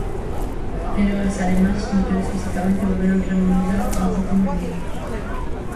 Pero as alemás, mellores fisicamente, volveron remontar nos últimos minutos.